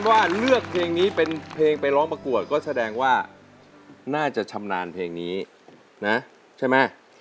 ว่าเลือกเพลงนี้เป็นเพลงไปร้องประกวดก็แสดงว่าน่าจะชำนาญเพลงนี้นะใช่ไหม